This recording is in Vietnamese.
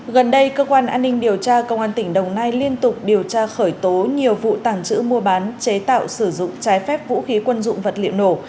gần đây cơ quan an ninh điều tra công an tỉnh đồng nai liên tục điều tra khởi tố nhiều vụ tàng trữ mua bán chế tạo sử dụng trái phép vũ khí quân dụng vật liệu nổ